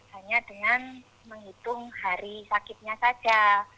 hanya dengan menghitung hari sakitnya saja